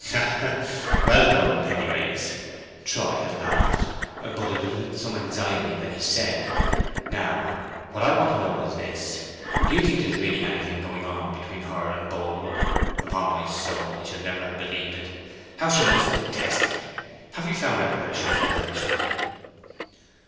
"Ha ha! Well done, Pennyways," Troy had laughed, but it was with some anxiety that he said, "Now, what I want to know is this, do you think there's really anything going on between her and Boldwood? Upon my soul, I should never have believed it! How she must detest me! Have you found out whether she has encouraged him?"